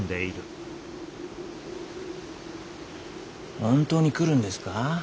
本当に来るんですか？